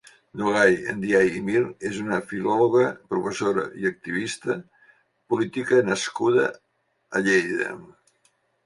Nogay Ndiaye i Mir és una filòloga, professora i activista política nascuda a Lleida.